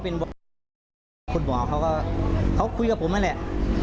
พี่คุณหมอเขาคุยกับผมแน่แหละ